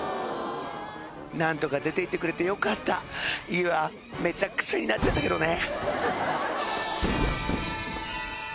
何とか出ていってくれてよかった家はめちゃくちゃになっちゃったけどね